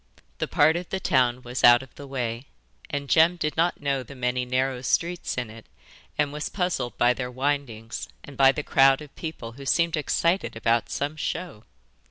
The part of the town was out of the way, and Jem did not know the many narrow streets in it and was puzzled by their windings and by the crowd of people, who seemed excited about some show.